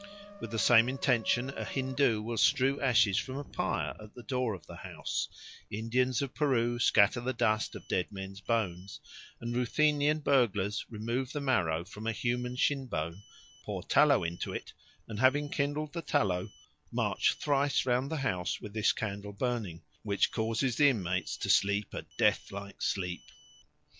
With the same intention a Hindoo will strew ashes from a pyre at the door of the house; Indians of Peru scatter the dust of dead men's bones; and Ruthenian burglars remove the marrow from a human shin bone, pour tallow into it, and having kindled the tallow, march thrice round the house with this candle burning, which causes the inmates to sleep a death like sleep.